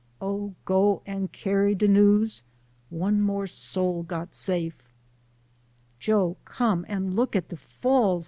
Oh, go and carry de news, One more soul got safe." " Joe, come and look at de Falls